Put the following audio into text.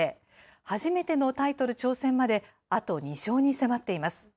初めてのタイトル挑戦まであと２勝に迫っています。